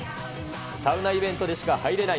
サウナイベントでしか入れない